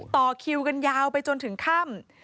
ต่อคิวกันยาวไปจนถึงค่ำ